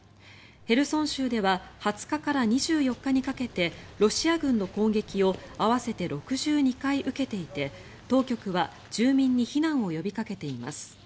ヘルソン州では２０日から２４日にかけてロシア軍の攻撃を合わせて６２回受けていて当局は住民に避難を呼びかけています。